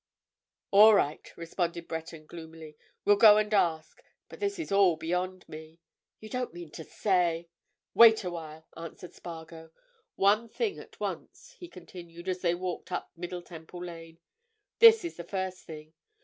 "All right," responded Breton, gloomily. "We'll go and ask. But this is all beyond me. You don't mean to say——" "Wait a while," answered Spargo. "One thing at once," he continued, as they walked up Middle Temple Lane. "This is the first thing.